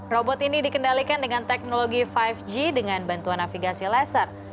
robot ini dikendalikan dengan teknologi lima g dengan bantuan navigasi laser